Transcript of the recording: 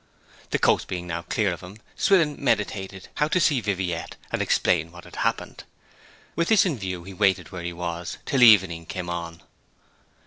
The coast being now clear of him Swithin meditated how to see Viviette, and explain what had happened. With this in view he waited where he was till evening came on.